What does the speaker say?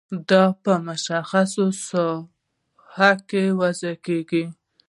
دا په مشخصه ساحه کې وضع کیږي.